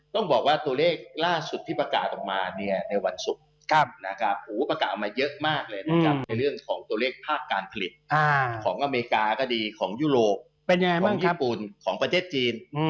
ต้องบอกว่าตัวเลขล่าสุดที่ประกาศออกมาเนี่ยในวันศุกร์นะครับประกาศออกมาเยอะมากเลยนะครับในเรื่องของตัวเลขภาคการผลิตของอเมริกาก็ดีของยุโรปของญี่ปุ่นของประเทศจีน